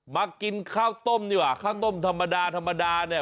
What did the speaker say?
มากินข้าวต้มดีกว่าข้าวต้มธรรมดาธรรมดาเนี่ย